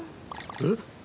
えっ！